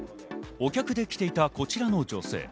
お客で来ていたこちらの女性。